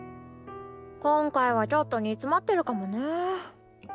今回はちょっと煮詰まってるかもね。